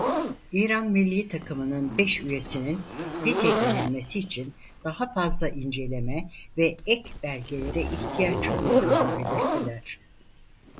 İran millî takımının beş üyesinin vize verilmesi için daha fazla inceleme ve ek belgelere ihtiyaç duyduğunu belirttiler.